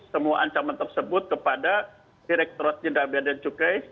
semua ancaman tersebut kepada direktur jendela biacukai